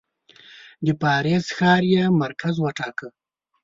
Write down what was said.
د پاریس ښار یې مرکز وټاکه.